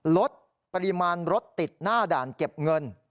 ลดปริมาณรถติดหน้าด่านเก็บเงิน